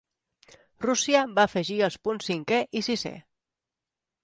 Rússia va afegir els punts cinqué i sisé.